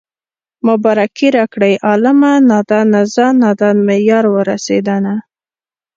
مبارکي راکړئ عالمه نادانه زه نادان مې يار ورسېدنه